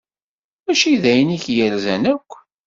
Mačči d ayen i k-yerzan akk.